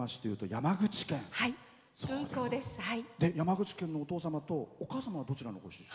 山口県のお父様とお母様は、どちらのご出身？